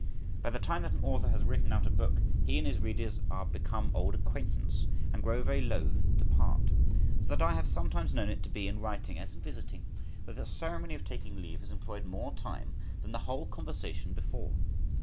By the time that an author has written out a book, he and his readers are become old acquaintance, and grow very loathe to part; so that I have sometimes known it to be in writing as in visiting, where the ceremony of taking leave has employed more time than the whole conversation before.